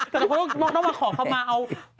แต่หลาคนต้องมาขอบคลำมาซีลไฟ